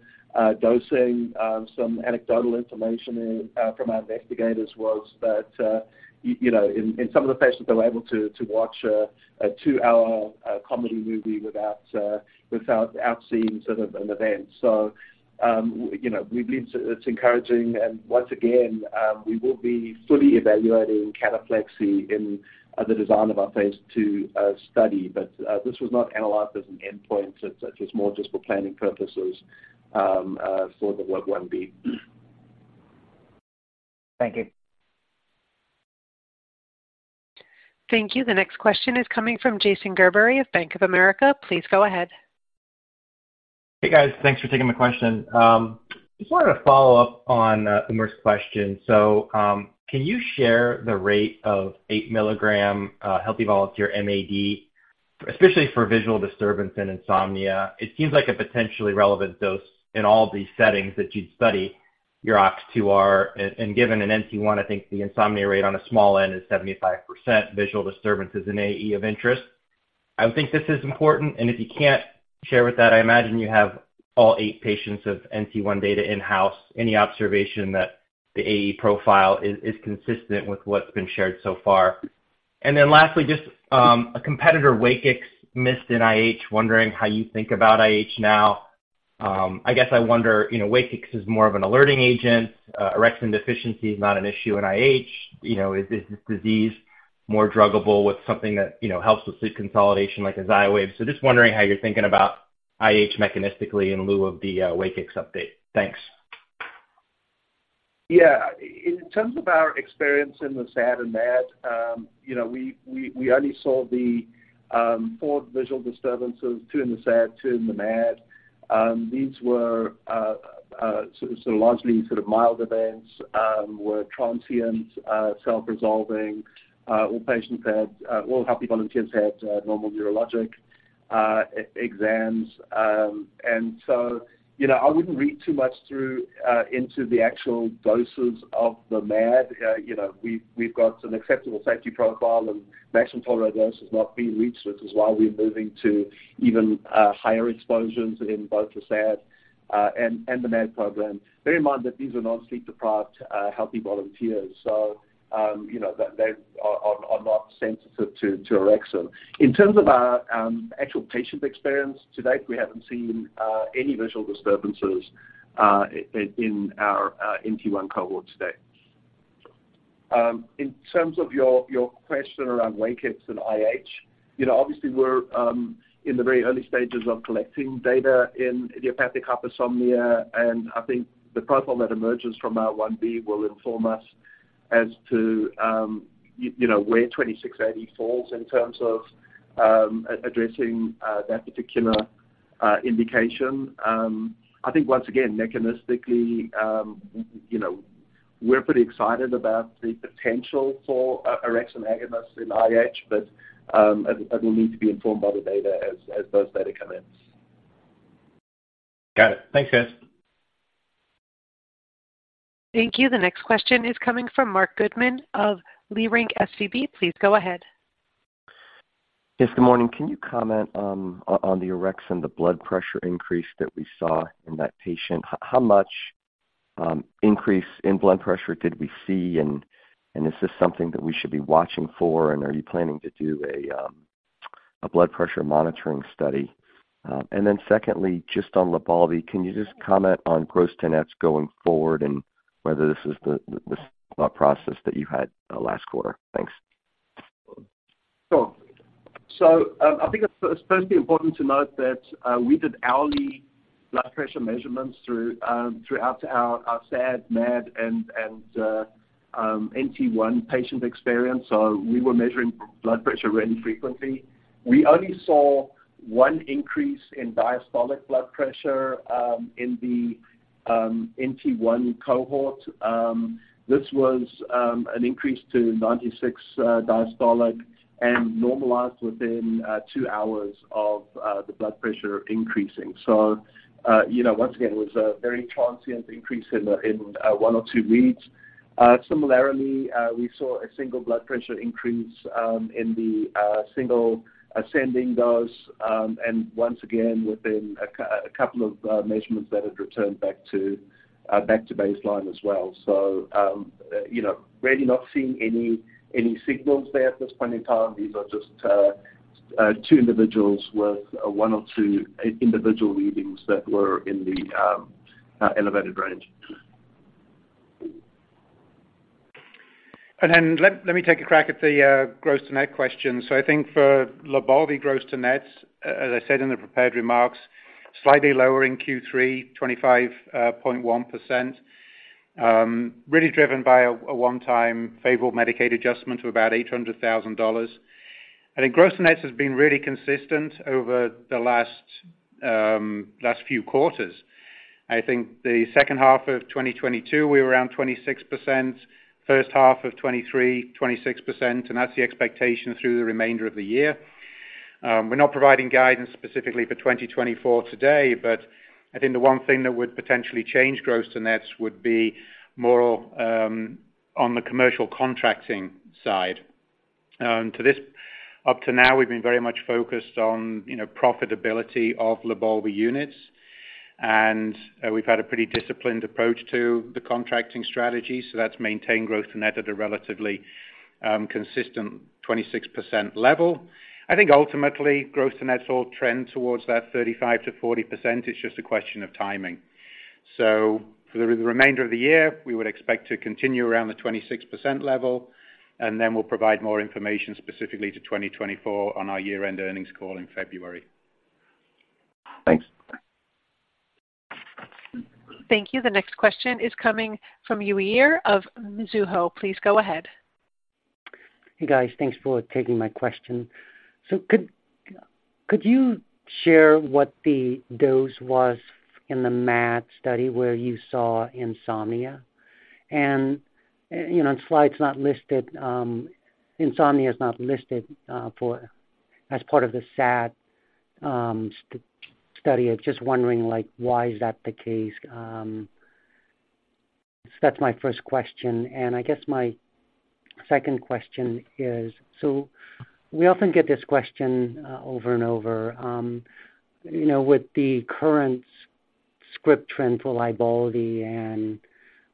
dosing. Some anecdotal information from our investigators was that, you know, in some of the patients, they were able to watch a 2-hour comedy movie without seeing sort of an event. So, you know, we believe it's encouraging. And once again, we will be fully evaluating cataplexy in the design of our phase 2 study. But this was not analyzed as an endpoint. It was more just for planning purposes for the Part 1B. Thank you. Thank you. The next question is coming from Jason Gerberry of Bank of America. Please go ahead. Hey, guys. Thanks for taking the question. Just wanted to follow up on Umer's question. So, can you share the rate of 8 milligram healthy volunteer MAD, especially for visual disturbance and insomnia? It seems like a potentially relevant dose in all of these settings that you'd study your OX2R, and given an NT1, I think the insomnia rate on a small end is 75%. Visual disturbance is an AE of interest. I would think this is important, and if you can't share with that, I imagine you have all 8 patients of NT1 data in-house. Any observation that the AE profile is consistent with what's been shared so far? And then lastly, just a competitor, Wakix, missed in IH, wondering how you think about IH now. I guess I wonder, you know, Wakix is more of an alerting agent. orexin deficiency is not an issue in IH. You know, is this disease more druggable with something that, you know, helps with sleep consolidation, like a Xywav? So just wondering how you're thinking about IH mechanistically in lieu of the Wakix update. Thanks. Yeah. In terms of our experience in the SAD and MAD, you know, we only saw the four visual disturbances, two in the SAD, two in the MAD. These were so largely sort of mild events, were transient, self-resolving. All healthy volunteers had normal neurologic exams. And so, you know, I wouldn't read too much through into the actual doses of the MAD. You know, we've got an acceptable safety profile, and maximum tolerated dose has not been reached, which is why we're moving to even higher exposures in both the SAD and the MAD program. Bear in mind that these are non-sleep deprived healthy volunteers, so, you know, they are not sensitive to orexin. In terms of our actual patient experience to date, we haven't seen any visual disturbances in our NT1 cohort to date. In terms of your question around Wakix and IH, you know, obviously, we're in the very early stages of collecting data in idiopathic hypersomnia, and I think the profile that emerges from our 1B will inform us as to you know, where 2680 falls in terms of addressing that particular indication. I think once again, mechanistically, you know, we're pretty excited about the potential for orexin agonists in IH, but it will need to be informed by the data as those data come in. Got it. Thanks, guys. Thank you. The next question is coming from Marc Goodman of Leerink Partners. Please go ahead. Yes, good morning. Can you comment on the orexin, the blood pressure increase that we saw in that patient? How much increase in blood pressure did we see, and is this something that we should be watching for, and are you planning to do a blood pressure monitoring study? And then secondly, just on LYBALVI, can you just comment on gross-to-nets going forward and whether this is the process that you had last quarter? Thanks. Sure. So, I think it's firstly important to note that we did hourly blood pressure measurements throughout our SAD, MAD and NT1 patient experience, so we were measuring blood pressure really frequently. We only saw one increase in diastolic blood pressure in the NT1 cohort. This was an increase to 96 diastolic and normalized within two hours of the blood pressure increasing. So, you know, once again, it was a very transient increase in one or two reads. Similarly, we saw a single blood pressure increase in the single ascending dose and once again, within a couple of measurements that had returned back to baseline as well. So, you know, really not seeing any signals there at this point in time. These are just two individuals with one or two individual readings that were in the elevated range. Then let me take a crack at the gross-to-net question. So I think for LYBALVI gross-to-nets, as I said in the prepared remarks, slightly lower in Q3, 25.1%. Really driven by a one-time favorable Medicaid adjustment of about $800,000. I think gross-to-nets has been really consistent over the last few quarters. I think the second half of 2022, we were around 26%, first half of 2023, 26%, and that's the expectation through the remainder of the year. We're not providing guidance specifically for 2024 today, but I think the one thing that would potentially change gross-to-nets would be more on the commercial contracting side. To this, up to now, we've been very much focused on, you know, profitability of LYBALVI units, and we've had a pretty disciplined approach to the contracting strategy, so that's maintained gross-to-net at a relatively consistent 26% level. I think ultimately, gross-to-nets will trend towards that 35%-40%. It's just a question of timing. So for the remainder of the year, we would expect to continue around the 26% level, and then we'll provide more information specifically to 2024 on our year-end earnings call in February. Thanks. Thank you. The next question is coming from Uy Ear of Mizuho. Please go ahead. Hey, guys. Thanks for taking my question. So could you share what the dose was in the MAD study where you saw insomnia? And, you know, on slides not listed, insomnia is not listed for as part of the SAD study. I'm just wondering, like, why is that the case? So that's my first question. And I guess my second question is: so we often get this question over and over, you know, with the current script trend for LYBALVI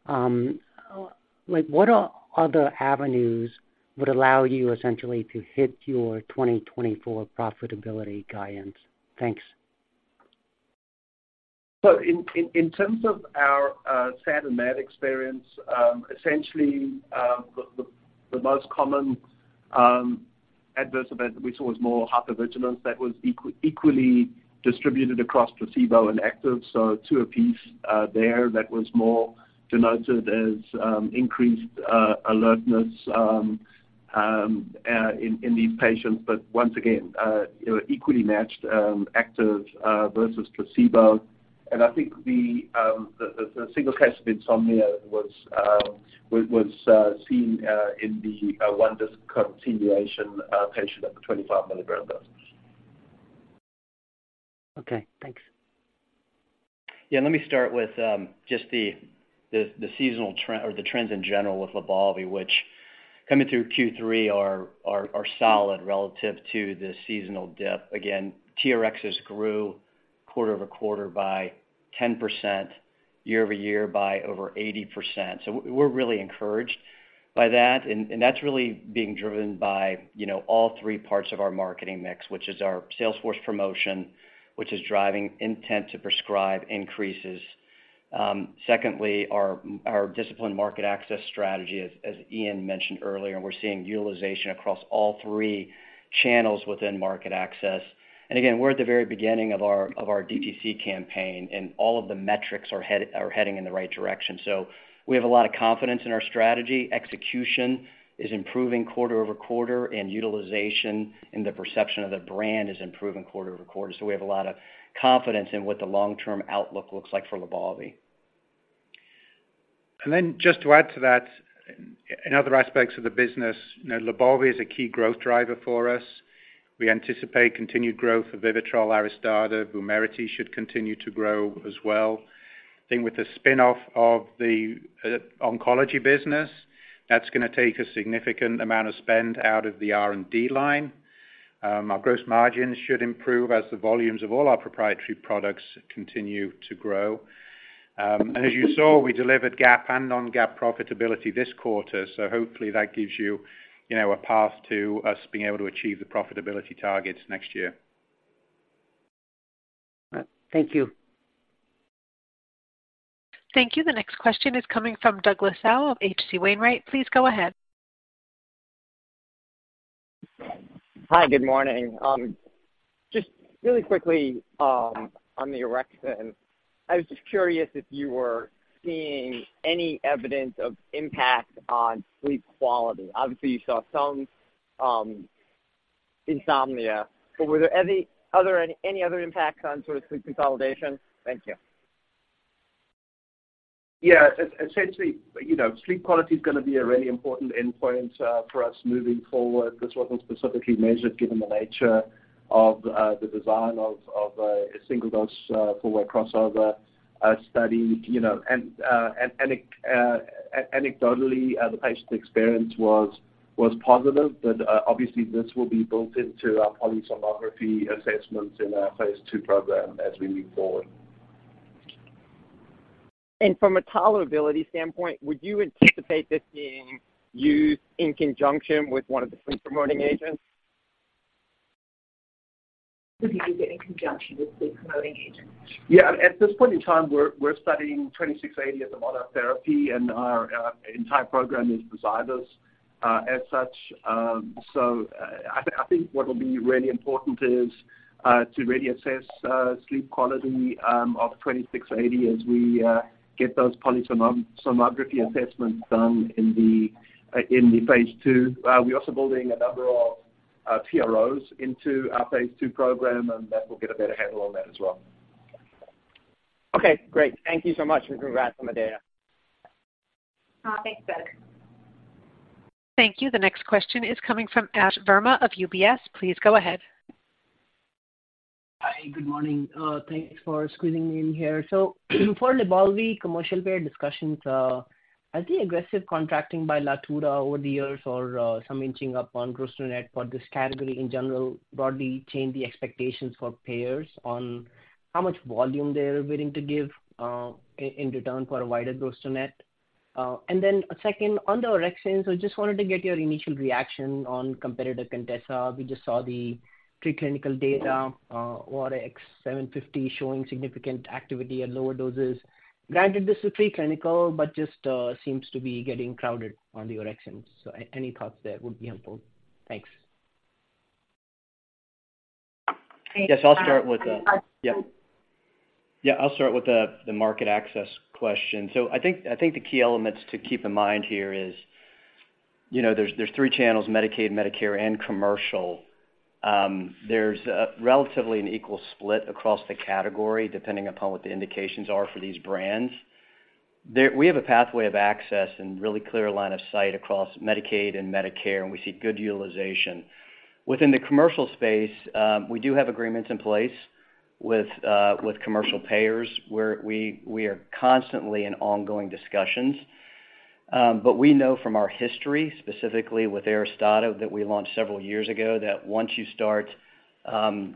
and, like, what are other avenues would allow you essentially to hit your 2024 profitability guidance? Thanks. So in terms of our SAD and MAD experience, essentially, the most common adverse event we saw was more hypervigilance that was equally distributed across placebo and active, so two apiece there that was more denoted as increased alertness in these patients. But once again, you know, equally matched active versus placebo. And I think the single case of insomnia was seen in the one discontinuation patient at the 25 milligram dose. Okay, thanks. Yeah, let me start with just the seasonal trend or the trends in general with LYBALVI, which coming through Q3 are solid relative to the seasonal dip. Again, TRxs grew quarter-over-quarter by 10%, year-over-year by over 80%. So we're really encouraged by that, and that's really being driven by, you know, all three parts of our marketing mix, which is our sales force promotion, which is driving intent to prescribe increases. Secondly, our disciplined market access strategy, as Iain mentioned earlier, we're seeing utilization across all three channels within market access. And again, we're at the very beginning of our DTC campaign, and all of the metrics are heading in the right direction. So we have a lot of confidence in our strategy. Execution is improving quarter-over-quarter, and utilization and the perception of the brand is improving quarter-over-quarter. We have a lot of confidence in what the long-term outlook looks like for LYBALVI. And then just to add to that, in other aspects of the business, you know, LYBALVI is a key growth driver for us. We anticipate continued growth of VIVITROL, ARISTADA, VUMERITY should continue to grow as well. I think with the spin-off of the oncology business, that's gonna take a significant amount of spend out of the R&D line. Our gross margins should improve as the volumes of all our proprietary products continue to grow. And as you saw, we delivered GAAP and non-GAAP profitability this quarter, so hopefully, that gives you, you know, a path to us being able to achieve the profitability targets next year. Thank you. Thank you. The next question is coming from Douglas Tsao of HC Wainwright. Please go ahead. Hi, good morning. Just really quickly, on the orexin, I was just curious if you were seeing any evidence of impact on sleep quality. Obviously, you saw some insomnia, but were there any other impacts on sort of sleep consolidation? Thank you. Yeah, essentially, you know, sleep quality is gonna be a really important endpoint for us moving forward. That's what was specifically measured, given the nature of the design of a single-dose for a crossover study, you know. And anecdotally the patient experience was positive, but obviously, this will be built into our polysomnography assessments in our phase 2 program as we move forward. From a tolerability standpoint, would you anticipate this being used in conjunction with one of the sleep-promoting agents? Would he be getting in conjunction with sleep-promoting agents? Yeah, at this point in time, we're studying 2680 as a monotherapy, and our entire program is designed as, as such. So, I think what will be really important is to really assess sleep quality of 2680 as we get those polysomnography assessments done in the phase 2. We're also building a number of PROs into our phase 2 program, and that will get a better handle on that as well. Okay, great. Thank you so much, and congrats on the data. Thanks, Doug. Thank you. The next question is coming from Ash Verma of UBS. Please go ahead. Hi, good morning. Thanks for squeezing me in here. So for LYBALVI commercial payer discussions, has the aggressive contracting by Latuda over the years or some inching up on gross-to-net for this category in general broadly changed the expectations for payers on how much volume they are willing to give in return for a wider gross-to-net? And then second, on the orexin, so just wanted to get your initial reaction on competitor Centessa. We just saw the preclinical data, ORX750, showing significant activity at lower doses. Granted, this is preclinical, but just seems to be getting crowded on the orexins. So any thoughts there would be helpful. Thanks. Yes, I'll start with the... Yeah. Yeah, I'll start with the market access question. So I think the key elements to keep in mind here is, you know, there's three channels, Medicaid, Medicare, and commercial. There's relatively an equal split across the category, depending upon what the indications are for these brands. We have a pathway of access and really clear line of sight across Medicaid and Medicare, and we see good utilization. Within the commercial space, we do have agreements in place with commercial payers, where we are constantly in ongoing discussions. But we know from our history, specifically with ARISTADA, that we launched several years ago, that once you start,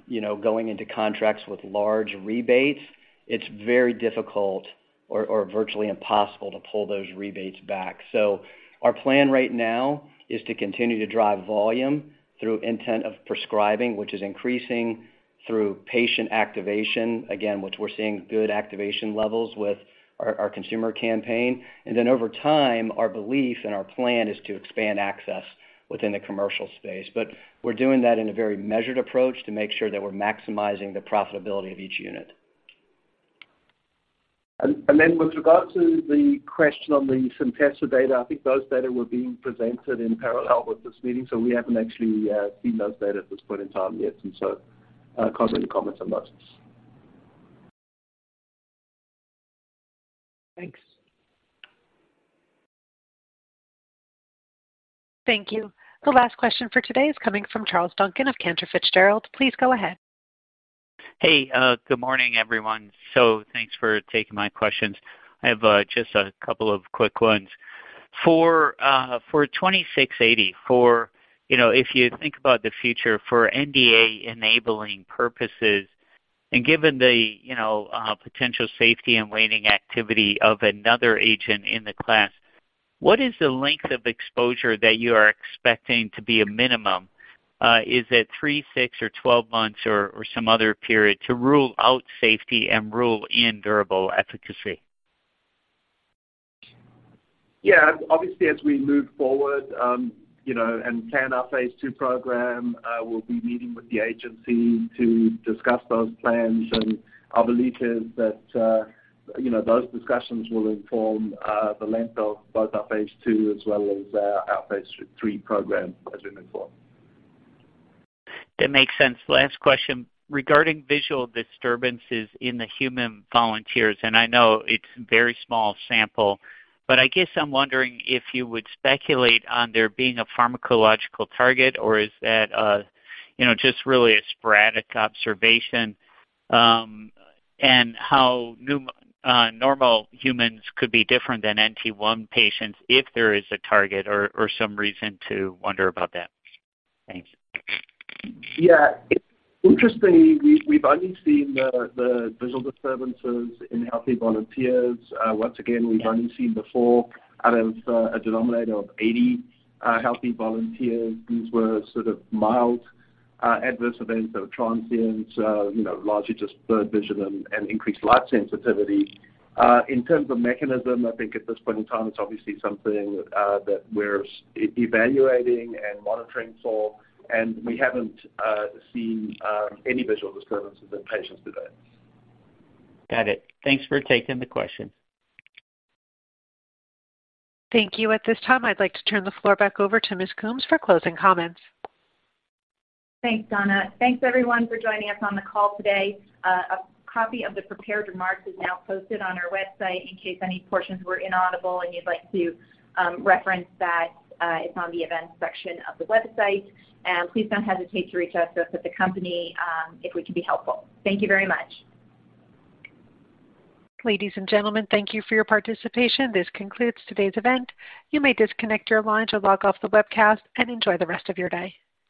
you know, going into contracts with large rebates, it's very difficult or virtually impossible to pull those rebates back. So our plan right now is to continue to drive volume through intent of prescribing, which is increasing through patient activation, again, which we're seeing good activation levels with our consumer campaign. And then over time, our belief and our plan is to expand access within the commercial space. But we're doing that in a very measured approach to make sure that we're maximizing the profitability of each unit. Then with regards to the question on the Centessa data, I think those data were being presented in parallel with this meeting, so we haven't actually seen those data at this point in time yet, and so can't really comment on those. Thanks. Thank you. The last question for today is coming from Charles Duncan of Cantor Fitzgerald. Please go ahead. Hey, good morning, everyone. So thanks for taking my questions. I have just a couple of quick ones. For 2680, for, you know, if you think about the future, for NDA enabling purposes, and given the, you know, potential safety and waning activity of another agent in the class, what is the length of exposure that you are expecting to be a minimum? Is it 3, 6, or 12 months or, or some other period to rule out safety and rule in durable efficacy? Yeah, obviously, as we move forward, you know, and plan our phase two program, we'll be meeting with the agency to discuss those plans. Our belief is that, you know, those discussions will inform the length of both our phase two as well as our phase three program as we move forward. That makes sense. Last question, regarding visual disturbances in the human volunteers, and I know it's a very small sample, but I guess I'm wondering if you would speculate on there being a pharmacological target, or is that, you know, just really a sporadic observation, and how normal humans could be different than NT1 patients if there is a target or, or some reason to wonder about that? Thanks. Yeah. Interestingly, we've only seen the visual disturbances in healthy volunteers. Once again, we've only seen four out of a denominator of 80 healthy volunteers. These were sort of mild adverse events that are transient, you know, largely just blurred vision and increased light sensitivity. In terms of mechanism, I think at this point in time, it's obviously something that we're evaluating and monitoring for, and we haven't seen any visual disturbances in patients to date. Got it. Thanks for taking the question. Thank you. At this time, I'd like to turn the floor back over to Ms. Coombs for closing comments. Thanks, Donna. Thanks, everyone for joining us on the call today. A copy of the prepared remarks is now posted on our website in case any portions were inaudible and you'd like to reference that. It's on the events section of the website, and please don't hesitate to reach out to us at the company if we can be helpful. Thank you very much. Ladies and gentlemen, thank you for your participation. This concludes today's event. You may disconnect your lines or log off the webcast and enjoy the rest of your day.